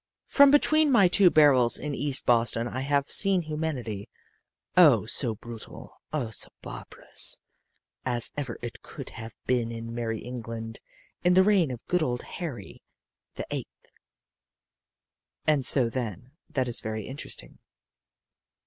From between my two barrels in East Boston I have seen humanity, oh, so brutal, oh, so barbarous as ever it could have been in merrie England in the reign of good old Harry the Eighth. "And so then that is very interesting."